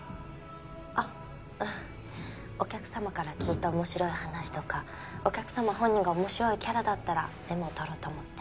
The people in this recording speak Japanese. あっお客様から聞いた面白い話とかお客様本人が面白いキャラだったらメモを取ろうと思って。